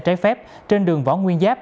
trái phép trên đường võ nguyên giáp